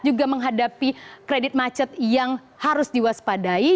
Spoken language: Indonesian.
juga menghadapi kredit macet yang harus diwaspadai